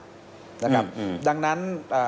นะครับดังนั้น